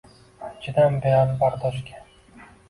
Chidam berar bardoshga.